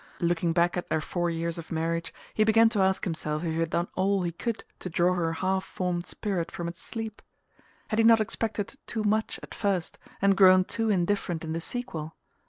Looking back at their four years of marriage he began to ask himself if he had done all he could to draw her half formed spirit from its sleep. Had he not expected too much at first, and grown too indifferent in the sequel?